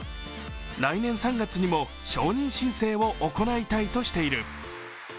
来年３月にも承認申請を行いたいとしている。